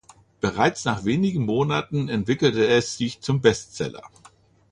Bereits nach wenigen Monaten entwickelte es sich zum Bestseller.